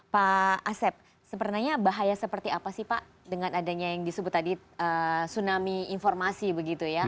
pak asep sebenarnya bahaya seperti apa sih pak dengan adanya yang disebut tadi tsunami informasi begitu ya